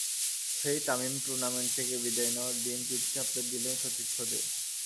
সেই তামিম টুর্নামেন্ট থেকে বিদায় নেওয়ার দিন পিঠ চাপড়ে দিলেন সতীর্থদের।